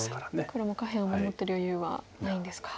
黒も下辺を守ってる余裕はないんですか。